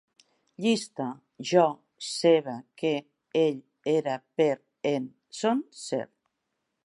Llista: jo, seva, que, ell, era, per, en, són, ser